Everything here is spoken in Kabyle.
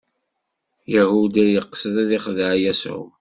Yahuda yeqsed ad ixdeɛ Yasuɛ.